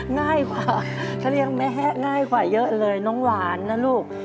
ง่ายกว่าถ้าเลี้ยงแม่ง่ายกว่าเยอะเลยน้องหวานนะลูก